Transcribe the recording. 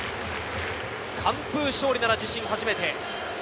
完封勝利なら自身初めて。